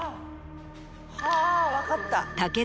はぁ分かった。